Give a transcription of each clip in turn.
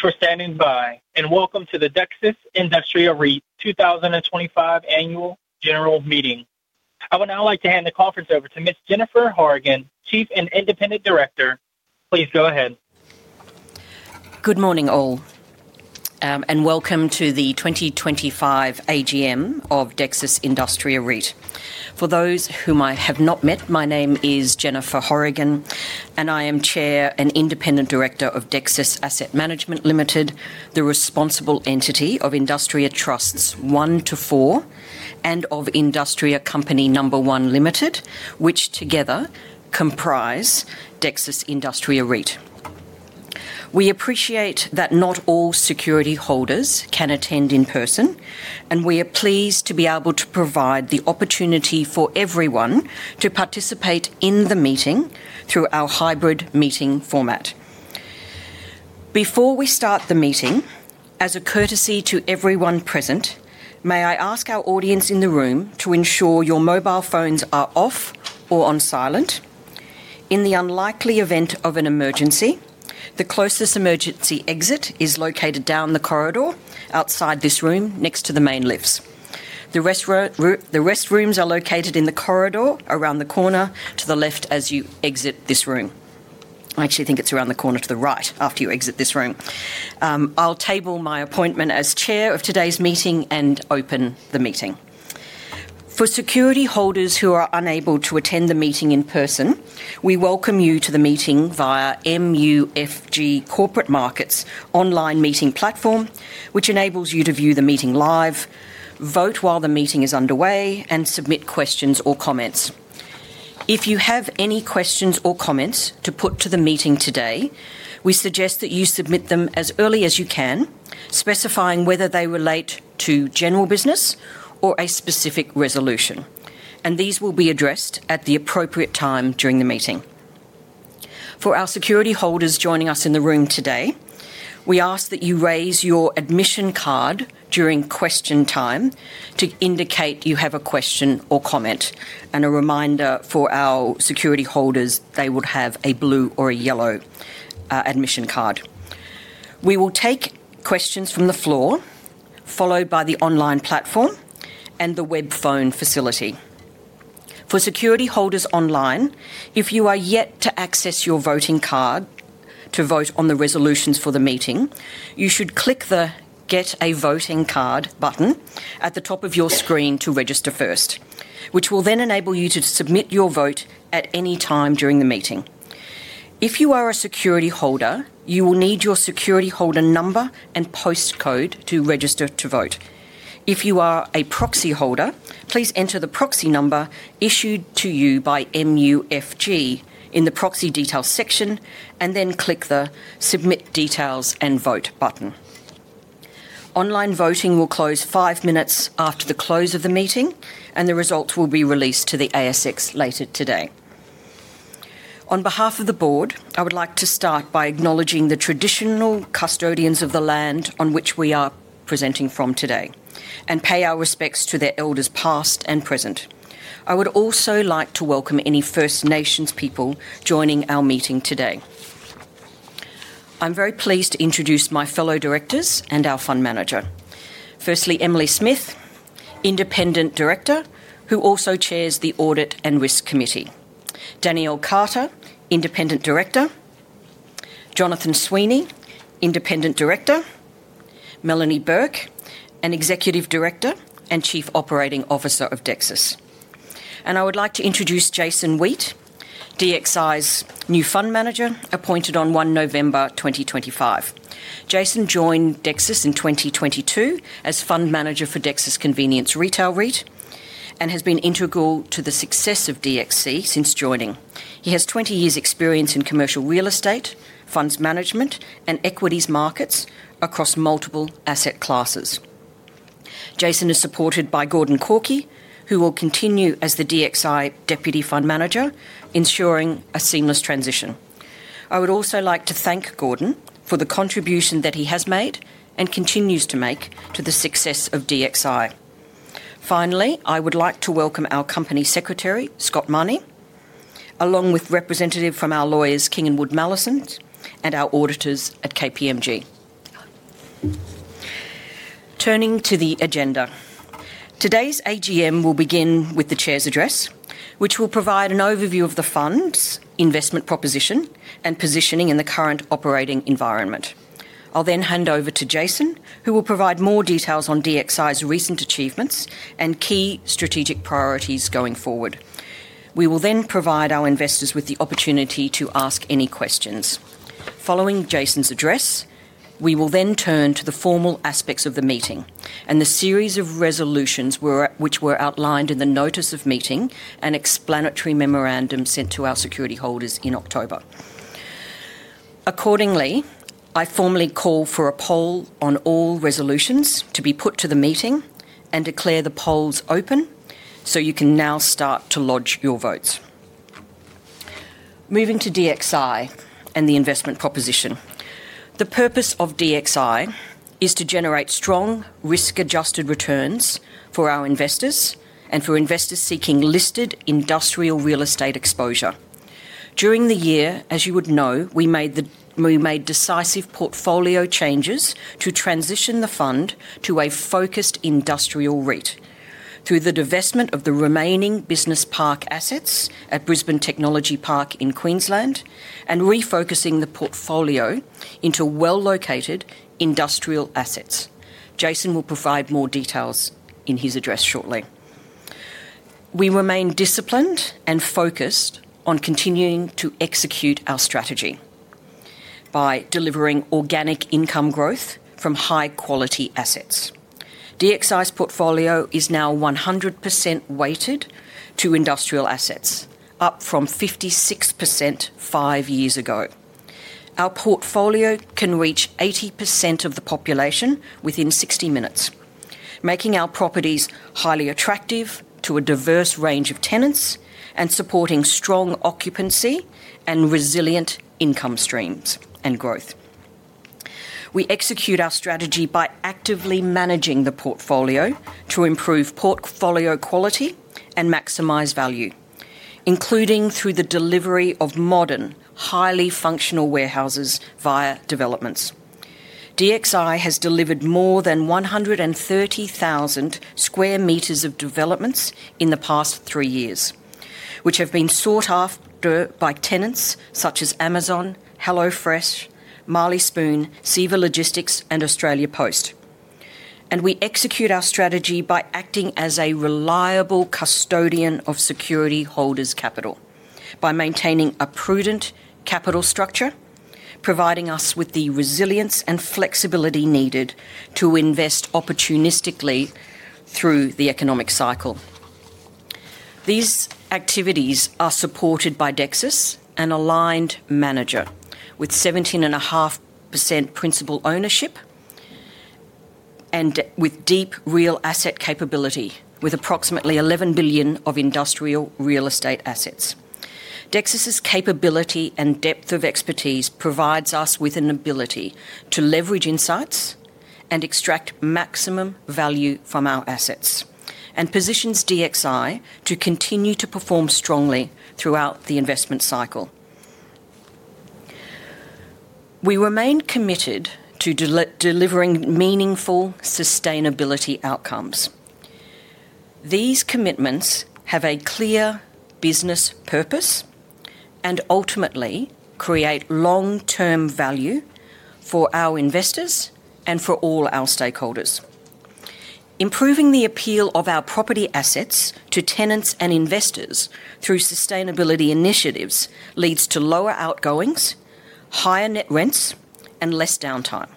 Thank you for standing by, and welcome to the Dexus Industrial REIT 2025 Annual General Meeting. I would now like to hand the conference over to Ms. Jennifer Horrigan, Chair and Independent Director. Please go ahead. Good morning, all, and welcome to the 2025 AGM of Dexus Industrial REIT. For those whom I have not met, my name is Jennifer Horrigan, and I am Chair and Independent Director of Dexus Asset Management Limited, the responsible entity of Industrial Trusts One to Four and of Industrial Company Number One Limited, which together comprise Dexus Industrial REIT. We appreciate that not all security holders can attend in person, and we are pleased to be able to provide the opportunity for everyone to participate in the meeting through our hybrid meeting format. Before we start the meeting, as a courtesy to everyone present, may I ask our audience in the room to ensure your mobile phones are off or on silent. In the unlikely event of an emergency, the closest emergency exit is located down the corridor outside this room next to the main lifts. The restrooms are located in the corridor around the corner to the left as you exit this room. I actually think it's around the corner to the right after you exit this room. I'll table my appointment as Chair of today's meeting and open the meeting. For security holders who are unable to attend the meeting in person, we welcome you to the meeting via MUFG Corporate Markets online meeting platform, which enables you to view the meeting live, vote while the meeting is underway, and submit questions or comments. If you have any questions or comments to put to the meeting today, we suggest that you submit them as early as you can, specifying whether they relate to general business or a specific resolution, and these will be addressed at the appropriate time during the meeting. For our security holders joining us in the room today, we ask that you raise your admission card during question time to indicate you have a question or comment, and a reminder for our security holders, they would have a blue or a yellow admission card. We will take questions from the floor, followed by the online platform and the web phone facility. For security holders online, if you are yet to access your voting card to vote on the resolutions for the meeting, you should click the Get a Voting Card button at the top of your screen to register first, which will then enable you to submit your vote at any time during the meeting. If you are a security holder, you will need your security holder number and postcode to register to vote. If you are a proxy holder, please enter the proxy number issued to you by MUFG in the Proxy Details section, and then click the Submit Details and Vote button. Online voting will close five minutes after the close of the meeting, and the results will be released to the ASX later today. On behalf of the board, I would like to start by acknowledging the traditional custodians of the land on which we are presenting from today, and pay our respects to their elders past and present. I would also like to welcome any First Nations people joining our meeting today. I'm very pleased to introduce my fellow directors and our fund manager. Firstly, Emily Smith, Independent Director, who also chairs the Audit and Risk Committee. Danielle Carter, Independent Director. Jonathan Sweeney, Independent Director. Melanie Burke, an Executive Director and Chief Operating Officer of Dexus. I would like to introduce Jason Weat, DXI's new Fund Manager, appointed on November 1, 2025. Jason joined Dexus in 2022 as Fund Manager for Dexus Convenience Retail REIT and has been integral to the success of DXC since joining. He has 20 years' experience in commercial real estate, funds management, and equities markets across multiple asset classes. Jason is supported by Gordon Korkie, who will continue as the DXI Deputy Fund Manager, ensuring a seamless transition. I would also like to thank Gordon for the contribution that he has made and continues to make to the success of DXI. Finally, I would like to welcome our Company Secretary, Scott Munny, along with representatives from our lawyers, King & Wood Mallesons, and our auditors at KPMG. Turning to the agenda, today's AGM will begin with the Chair's address, which will provide an overview of the fund's investment proposition and positioning in the current operating environment. I'll then hand over to Jason, who will provide more details on DXI's recent achievements and key strategic priorities going forward. We will then provide our investors with the opportunity to ask any questions. Following Jason's address, we will then turn to the formal aspects of the meeting and the series of resolutions which were outlined in the Notice of Meeting and Explanatory Memorandum sent to our security holders in October. Accordingly, I formally call for a poll on all resolutions to be put to the meeting and declare the polls open, so you can now start to lodge your votes. Moving to DXI and the investment proposition. The purpose of DXI is to generate strong risk-adjusted returns for our investors and for investors seeking listed industrial real estate exposure. During the year, as you would know, we made decisive portfolio changes to transition the fund to a focused industrial REIT through the divestment of the remaining business park assets at Brisbane Technology Park in Queensland and refocusing the portfolio into well-located industrial assets. Jason will provide more details in his address shortly. We remain disciplined and focused on continuing to execute our strategy by delivering organic income growth from high-quality assets. DXI's portfolio is now 100% weighted to industrial assets, up from 56% five years ago. Our portfolio can reach 80% of the population within 60 minutes, making our properties highly attractive to a diverse range of tenants and supporting strong occupancy and resilient income streams and growth. We execute our strategy by actively managing the portfolio to improve portfolio quality and maximize value, including through the delivery of modern, highly functional warehouses via developments. DXI has delivered more than 130,000 sq m of developments in the past three years, which have been sought after by tenants such as Amazon, HelloFresh, Marley Spoon, Seva Logistics, and Australia Post. We execute our strategy by acting as a reliable custodian of security holders' capital by maintaining a prudent capital structure, providing us with the resilience and flexibility needed to invest opportunistically through the economic cycle. These activities are supported by Dexus, an aligned manager with 17.5% principal ownership and with deep real asset capability, with approximately 11 billion of industrial real estate assets. Dexus's capability and depth of expertise provides us with an ability to leverage insights and extract maximum value from our assets and positions DXI to continue to perform strongly throughout the investment cycle. We remain committed to delivering meaningful sustainability outcomes. These commitments have a clear business purpose and ultimately create long-term value for our investors and for all our stakeholders. Improving the appeal of our property assets to tenants and investors through sustainability initiatives leads to lower outgoings, higher net rents, and less downtime.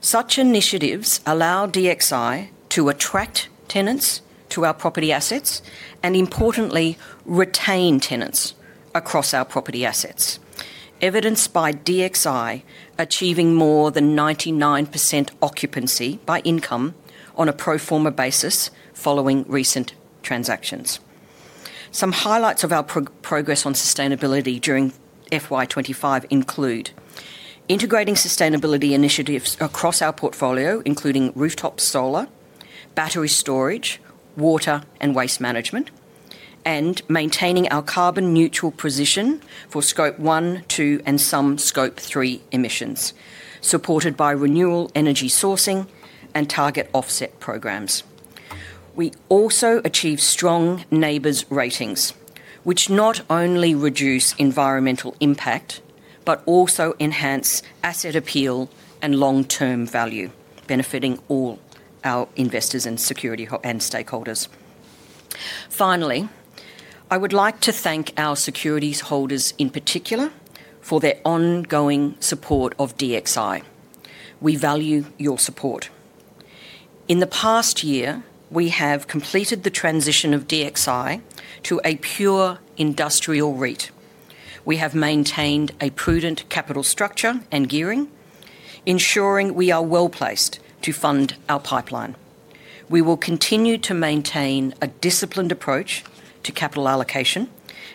Such initiatives allow DXI to attract tenants to our property assets and, importantly, retain tenants across our property assets, evidenced by DXI achieving more than 99% occupancy by income on a pro forma basis following recent transactions. Some highlights of our progress on sustainability during FY 2025 include integrating sustainability initiatives across our portfolio, including rooftop solar, battery storage, water and waste management, and maintaining our carbon neutral position for Scope 1, 2, and some Scope 3 emissions, supported by renewable energy sourcing and target offset programs. We also achieve strong NABERS ratings, which not only reduce environmental impact but also enhance asset appeal and long-term value, benefiting all our investors and security and stakeholders. Finally, I would like to thank our security holders in particular for their ongoing support of DXI. We value your support. In the past year, we have completed the transition of DXI to a pure industrial REIT. We have maintained a prudent capital structure and gearing, ensuring we are well placed to fund our pipeline. We will continue to maintain a disciplined approach to capital allocation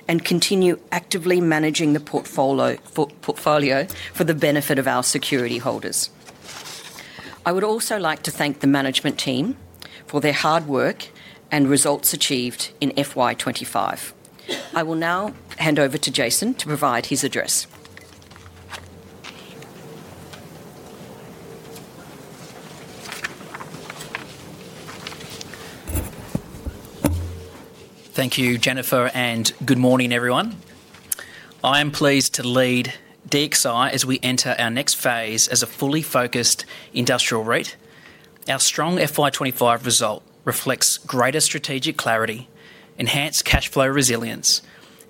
and continue actively managing the portfolio for the benefit of our security holders. I would also like to thank the management team for their hard work and results achieved in FY 2025. I will now hand over to Jason to provide his address. Thank you, Jennifer, and good morning, everyone. I am pleased to lead DXI as we enter our next phase as a fully focused industrial REIT. Our strong FY 2025 result reflects greater strategic clarity, enhanced cash flow resilience,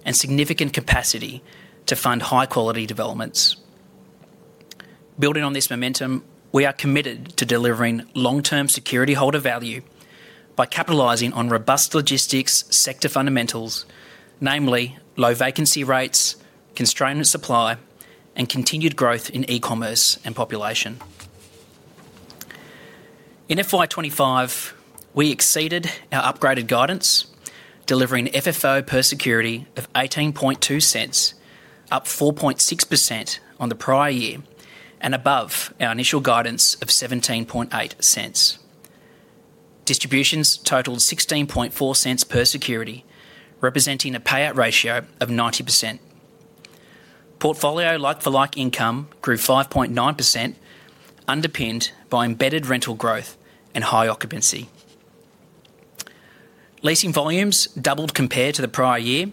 and significant capacity to fund high-quality developments. Building on this momentum, we are committed to delivering long-term security holder value by capitalizing on robust logistics sector fundamentals, namely low vacancy rates, constrained supply, and continued growth in e-commerce and population. In FY 2025, we exceeded our upgraded guidance, delivering FFO per security of 0.182, up 4.6% on the prior year and above our initial guidance of 0.178. Distributions totaled 0.164 per security, representing a payout ratio of 90%. Portfolio like-for-like income grew 5.9%, underpinned by embedded rental growth and high occupancy. Leasing volumes doubled compared to the prior year,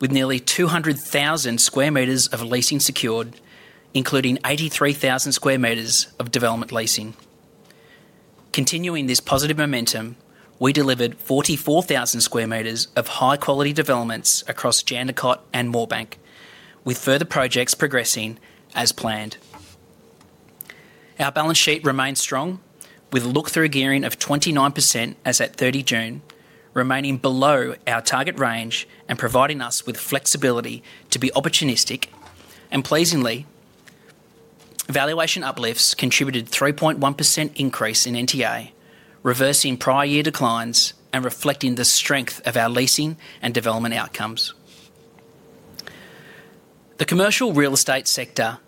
with nearly 200,000 sq m of leasing secured, including 83,000 sq m of development leasing. Continuing this positive momentum, we delivered 44,000 sq m of high-quality developments across Jandakot and Moorebank, with further projects progressing as planned. Our balance sheet remained strong, with a look-through gearing of 29% as at 30 June, remaining below our target range and providing us with flexibility to be opportunistic. Pleasingly, valuation uplifts contributed a 3.1% increase in NTA, reversing prior year declines and reflecting the strength of our leasing and development outcomes. The commercial real estate sector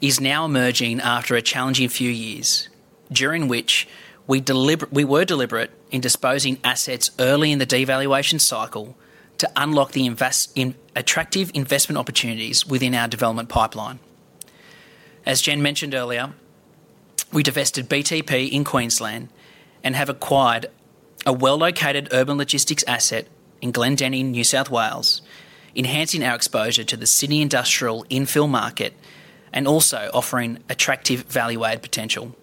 is now emerging after a challenging few years, during which we were deliberate in disposing assets early in the devaluation cycle to unlock the attractive investment opportunities within our development pipeline. As Jen mentioned earlier, we divested BTP in Queensland and have acquired a well-located urban logistics asset in Glendenning, New South Wales, enhancing our exposure to the Sydney industrial infill market and also offering attractive value-add potential.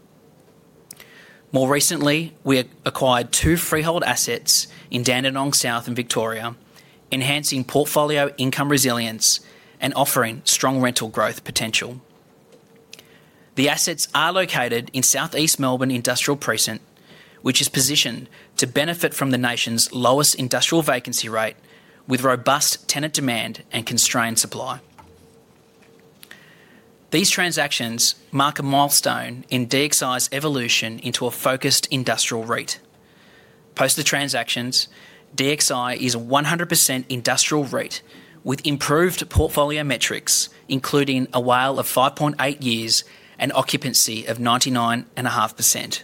More recently, we acquired two freehold assets in Dandenong South and Victoria, enhancing portfolio income resilience and offering strong rental growth potential. The assets are located in Southeast Melbourne Industrial Precinct, which is positioned to benefit from the nation's lowest industrial vacancy rate with robust tenant demand and constrained supply. These transactions mark a milestone in DXI's evolution into a focused industrial REIT. Post the transactions, DXI is a 100% industrial REIT with improved portfolio metrics, including a WALE of 5.8 years and occupancy of 99.5%.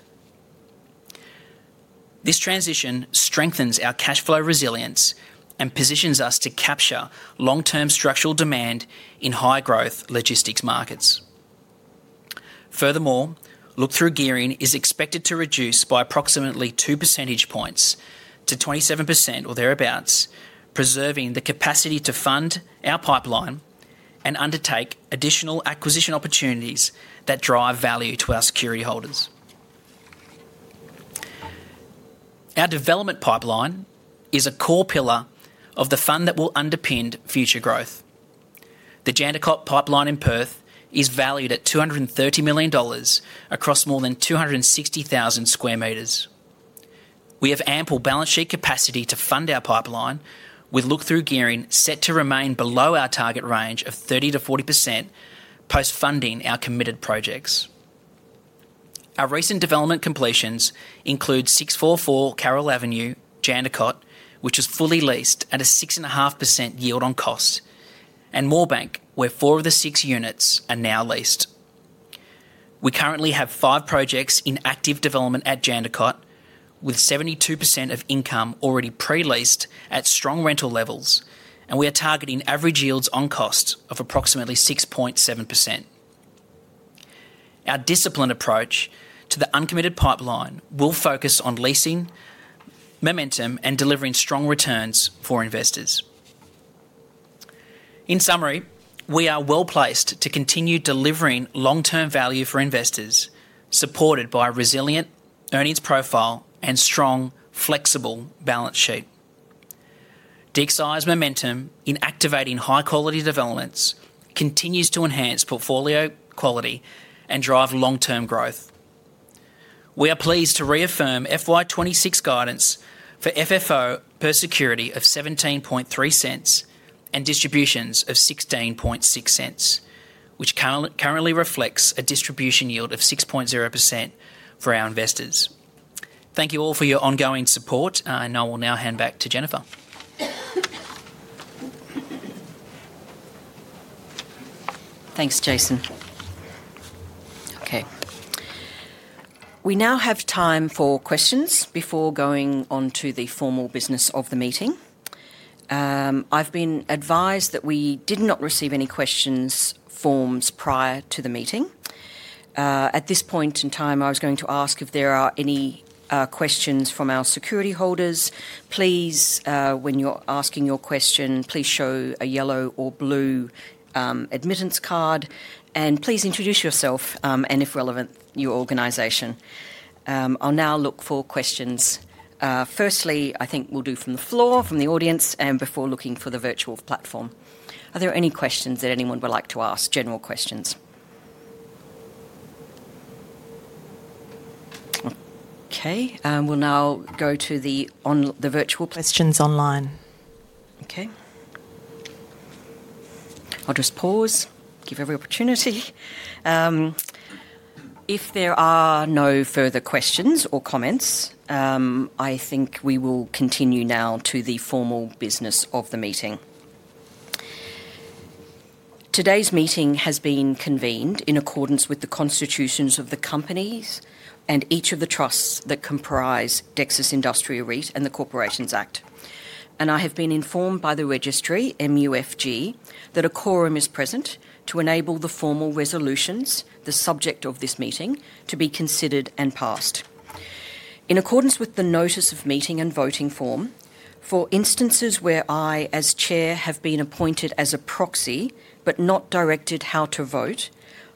This transition strengthens our cash flow resilience and positions us to capture long-term structural demand in high-growth logistics markets. Furthermore, look-through gearing is expected to reduce by approximately 2 percentage points to 27% or thereabouts, preserving the capacity to fund our pipeline and undertake additional acquisition opportunities that drive value to our security holders. Our development pipeline is a core pillar of the fund that will underpin future growth. The Jandakot pipeline in Perth is valued at 230 million dollars across more than 260,000 sq m. We have ample balance sheet capacity to fund our pipeline with look-through gearing set to remain below our target range of 30%-40% post-funding our committed projects. Our recent development completions include 644 Carroll Avenue, Jandakot, which is fully leased at a 6.5% yield on cost, and Moorebank, where four of the six units are now leased. We currently have five projects in active development at Jandakot, with 72% of income already pre-leased at strong rental levels, and we are targeting average yields on cost of approximately 6.7%. Our disciplined approach to the uncommitted pipeline will focus on leasing, momentum, and delivering strong returns for investors. In summary, we are well placed to continue delivering long-term value for investors, supported by a resilient earnings profile and strong, flexible balance sheet. DXI's momentum in activating high-quality developments continues to enhance portfolio quality and drive long-term growth. We are pleased to reaffirm fiscal year 2026 guidance for FFO per security of 0.173 and distributions of 0.166, which currently reflects a distribution yield of 6.0% for our investors. Thank you all for your ongoing support, and I will now hand back to Jennifer. Thanks, Jason. Okay. We now have time for questions before going on to the formal business of the meeting. I've been advised that we did not receive any question forms prior to the meeting. At this point in time, I was going to ask if there are any questions from our security holders. Please, when you're asking your question, show a yellow or blue admittance card, and please introduce yourself and, if relevant, your organization. I'll now look for questions. Firstly, I think we'll do from the floor, from the audience, before looking for the virtual platform. Are there any questions that anyone would like to ask, general questions? Okay. We'll now go to the virtual. Questions online. Okay. I'll just pause. Give every opportunity. If there are no further questions or comments, I think we will continue now to the formal business of the meeting. Today's meeting has been convened in accordance with the constitutions of the companies and each of the trusts that comprise Dexus Industrial REIT and the Corporations Act. I have been informed by the registry, MUFG, that a quorum is present to enable the formal resolutions, the subject of this meeting, to be considered and passed. In accordance with the notice of meeting and voting form, for instances where I, as Chair, have been appointed as a proxy but not directed how to vote,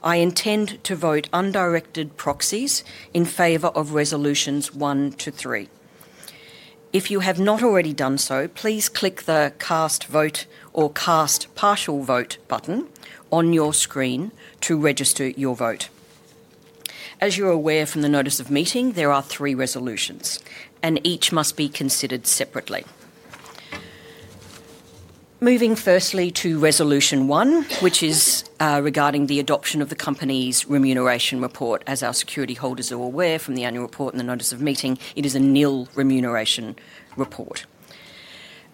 I intend to vote undirected proxies in favor of resolutions one to three. If you have not already done so, please click the cast vote or cast partial vote button on your screen to register your vote. As you're aware from the notice of meeting, there are three resolutions, and each must be considered separately. Moving firstly to resolution one, which is regarding the adoption of the company's remuneration report. As our security holders are aware from the annual report and the notice of meeting, it is a nil remuneration report.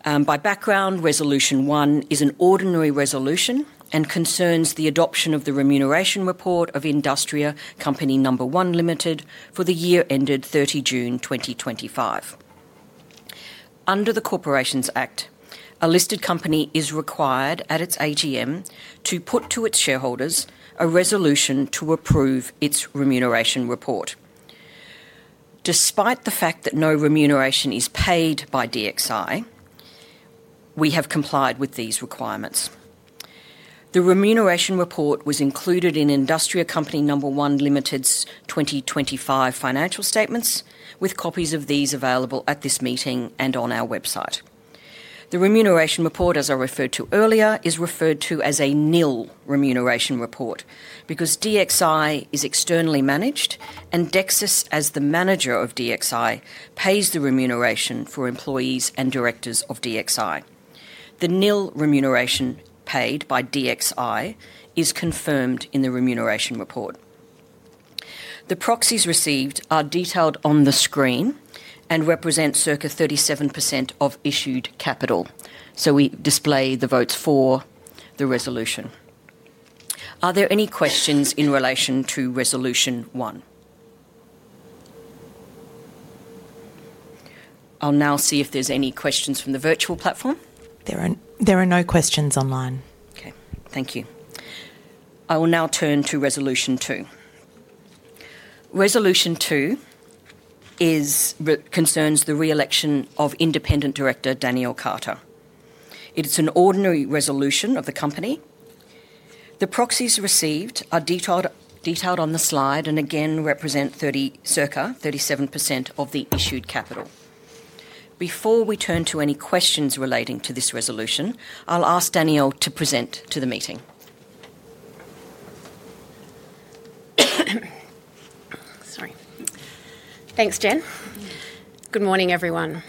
By background, resolution one is an ordinary resolution and concerns the adoption of the remuneration report of Industrial Company Number One Limited for the year ended June 30, 2025. Under the Corporations Act, a listed company is required at its AGM to put to its shareholders a resolution to approve its remuneration report. Despite the fact that no remuneration is paid by DXI, we have complied with these requirements. The remuneration report was included in Industrial Company Number One Limited's 2025 financial statements, with copies of these available at this meeting and on our website. The remuneration report, as I referred to earlier, is referred to as a nil remuneration report because DXI is externally managed, and Dexus, as the manager of DXI, pays the remuneration for employees and directors of DXI. The nil remuneration paid by DXI is confirmed in the remuneration report. The proxies received are detailed on the screen and represent circa 37% of issued capital. We display the votes for the resolution. Are there any questions in relation to resolution one? I'll now see if there's any questions from the virtual platform. There are no questions online. Okay. Thank you. I will now turn to resolution two. Resolution two concerns the re-election of independent director Danielle Carter. It's an ordinary resolution of the company. The proxies received are detailed on the slide and again represent circa 37% of the issued capital. Before we turn to any questions relating to this resolution, I'll ask Danielle to present to the meeting. Sorry. Thanks, Jen. Good morning, everyone.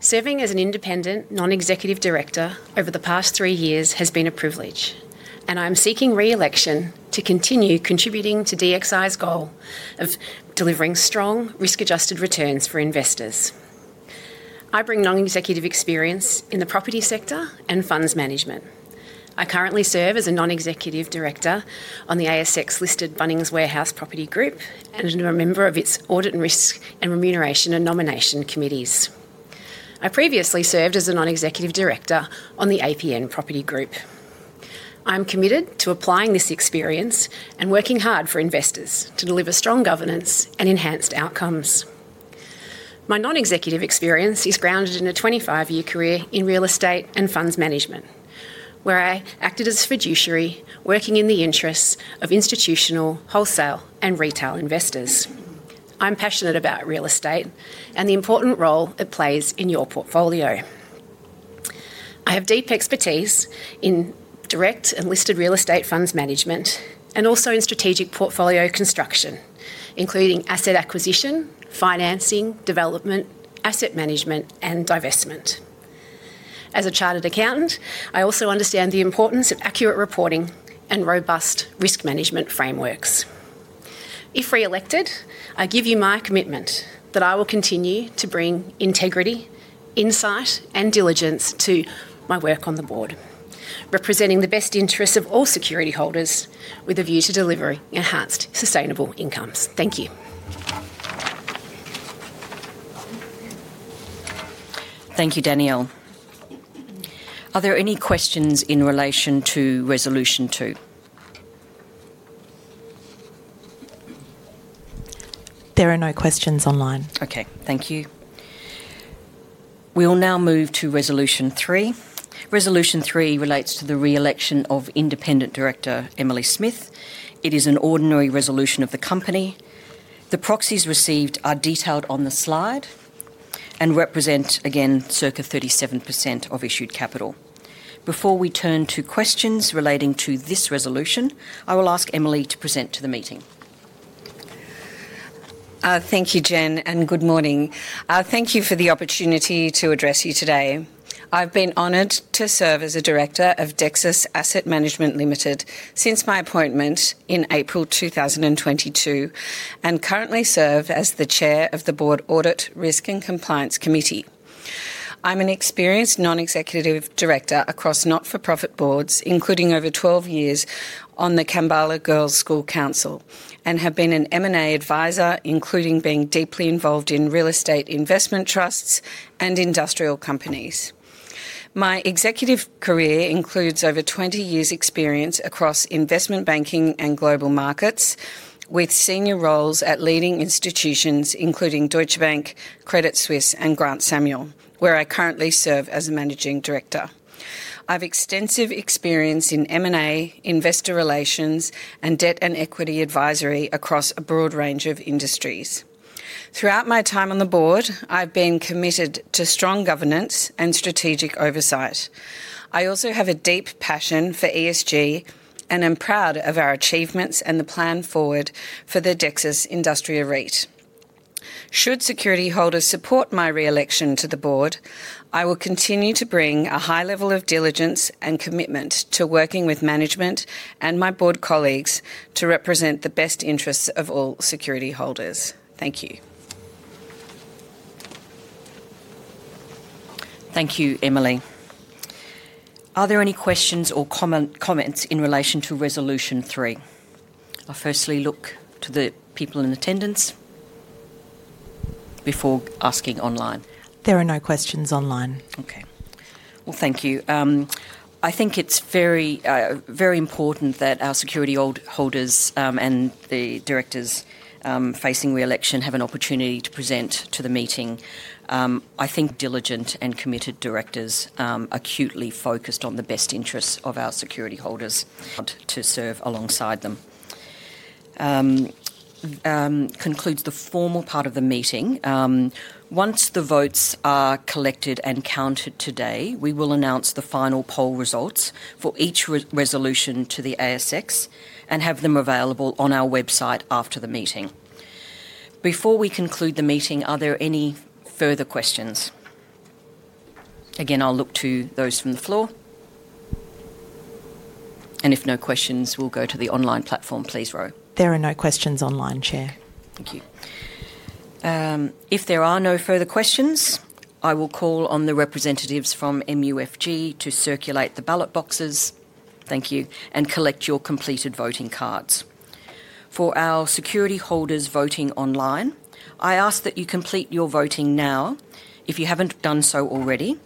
Serving as an independent non-executive director over the past three years has been a privilege, and I'm seeking re-election to continue contributing to DXI's goal of delivering strong, risk-adjusted returns for investors. I bring non-executive experience in the property sector and funds management. I currently serve as a non-executive director on the ASX-listed Bunnings Warehouse Property Group and am a member of its audit and risk and remuneration and nomination committees. I previously served as a non-executive director on the APN Property Group. I'm committed to applying this experience and working hard for investors to deliver strong governance and enhanced outcomes. My non-executive experience is grounded in a 25-year career in real estate and funds management, where I acted as a fiduciary working in the interests of institutional, wholesale, and retail investors. I'm passionate about real estate and the important role it plays in your portfolio. I have deep expertise in direct and listed real estate funds management and also in strategic portfolio construction, including asset acquisition, financing, development, asset management, and divestment. As a chartered accountant, I also understand the importance of accurate reporting and robust risk management frameworks. If re-elected, I give you my commitment that I will continue to bring integrity, insight, and diligence to my work on the board, representing the best interests of all security holders with a view to delivering enhanced sustainable incomes. Thank you. Thank you, Danielle. Are there any questions in relation to resolution two? There are no questions online. Okay. Thank you. We'll now move to resolution three. Resolution three relates to the re-election of independent director Emily Smith. It is an ordinary resolution of the company. The proxies received are detailed on the slide and represent, again, circa 37% of issued capital. Before we turn to questions relating to this resolution, I will ask Emily to present to the meeting. Thank you, Jen, and good morning. Thank you for the opportunity to address you today. I've been honored to serve as a director of Dexus Asset Management Limited since my appointment in April 2022, and currently serve as the Chair of the Board Audit Risk and Compliance Committee. I'm an experienced non-executive director across not-for-profit boards, including over 12 years on the Kambala Girls School Council, and have been an M&A advisor, including being deeply involved in real estate investment trusts and industrial companies. My executive career includes over 20 years' experience across investment banking and global markets, with senior roles at leading institutions including Deutsche Bank, Credit Suisse, and Grant Samuel, where I currently serve as a managing director. I have extensive experience in M&A, investor relations, and debt and equity advisory across a broad range of industries. Throughout my time on the board, I've been committed to strong governance and strategic oversight. I also have a deep passion for ESG and am proud of our achievements and the plan forward for the Dexus Industrial REIT. Should security holders support my re-election to the board, I will continue to bring a high level of diligence and commitment to working with management and my board colleagues to represent the best interests of all security holders. Thank you. Thank you, Emily. Are there any questions or comments in relation to resolution three? I'll firstly look to the people in attendance before asking online. There are no questions online. Okay. Thank you. I think it's very important that our security holders and the directors facing re-election have an opportunity to present to the meeting. I think diligent and committed directors are acutely focused on the best interests of our security holders to serve alongside them. Concludes the formal part of the meeting. Once the votes are collected and counted today, we will announce the final poll results for each resolution to the ASX and have them available on our website after the meeting. Before we conclude the meeting, are there any further questions? Again, I'll look to those from the floor. If no questions, we'll go to the online platform, please, Roe. There are no questions online, Chair. Thank you. If there are no further questions, I will call on the representatives from MUFG to circulate the ballot boxes. Thank you, and collect your completed voting cards. For our security holders voting online, I ask that you complete your voting now if you have not done so already,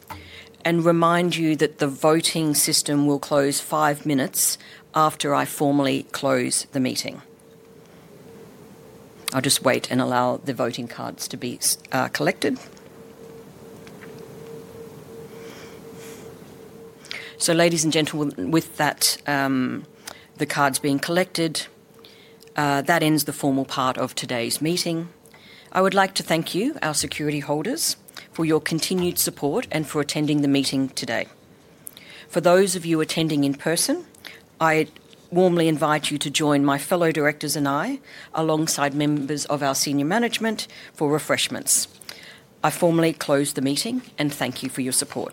and remind you that the voting system will close five minutes after I formally close the meeting. I will just wait and allow the voting cards to be collected. Ladies and gentlemen, with the cards being collected, that ends the formal part of today's meeting. I would like to thank you, our security holders, for your continued support and for attending the meeting today. For those of you attending in person, I warmly invite you to join my fellow directors and me alongside members of our senior management for refreshments. I formally close the meeting and thank you for your support.